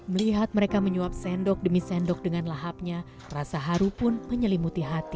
melihat mereka menyuap sendok demi sendok dengan lahapnya rasa haru pun menyelimuti hati